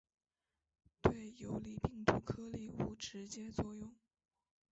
对游离病毒颗粒无直接作用。